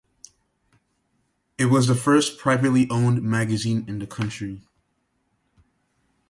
It was the first privately owned magazine in the country.